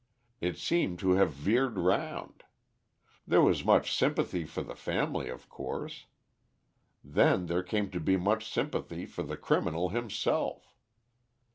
It seemed to have veered round. There was much sympathy for the family of course. Then there came to be much sympathy for the criminal himself.